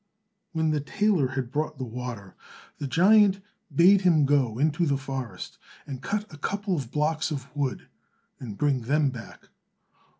When the tailor had brought the water, the giant bade him go into the forest, and cut a couple of blocks of wood and bring them back.